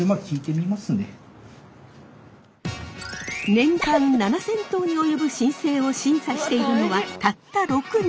年間７，０００頭に及ぶ申請を審査しているのはたった６人。